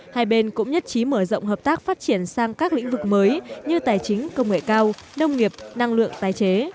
hai bên cũng nhất trí mở rộng hợp tác phát triển sang các lĩnh vực mới như tài chính công nghệ cao nông nghiệp năng lượng tái chế